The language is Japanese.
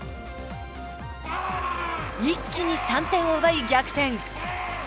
一気に３点を奪い逆転。